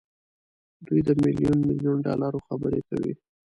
دوی د ميليون ميليون ډالرو خبرې کوي.